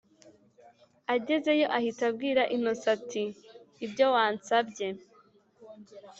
agezeyo ahita abwira innocent ati”ibyo wansabye